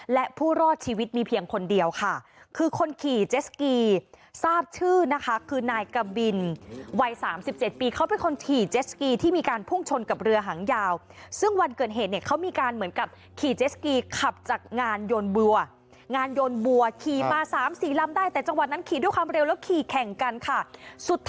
และผู้รอดชีวิตมีเพียงคนเดียวค่ะคือคนขี่เจสกีทราบชื่อนะคะคือนายกะบินวัย๓๗ปีเขาเป็นคนขี่เจสกีที่มีการพุ่งชนกับเรือหางยาวซึ่งวันเกิดเหตุเนี่ยเขามีการเหมือนกับขี่เจสกีขับจากงานยนต์บัวงานยนต์บัวขี่มาสามสี่ลำได้แต่จังหวัดนั้นขี่ด้วยความเร็วแล้วขี่แข่งกันค่ะ